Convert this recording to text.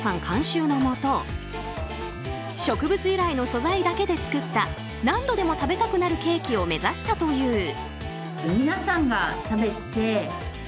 監修のもと植物由来の素材だけで作った何度でも食べたくなるケーキを目指したという。